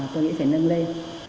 tôi nghĩ phải nâng lên